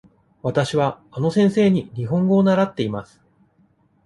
わたしはあの先生に日本語を習っています。